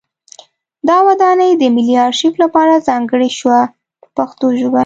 دا ودانۍ د ملي ارشیف لپاره ځانګړې شوه په پښتو ژبه.